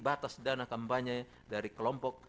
batas dana kampanye dari kelompok